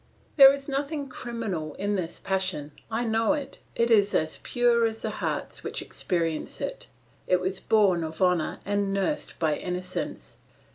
"There is nothing criminal in this passion; I know it; it is as pure as the hearts which experience it. It was born of honour and nursed by innocence.